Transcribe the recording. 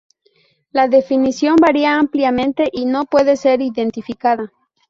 La definición varía ampliamente y no puede ser identificada.